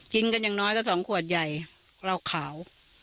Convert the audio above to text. กินกันอย่างน้อยก็สองขวดใหญ่เหล้าขาว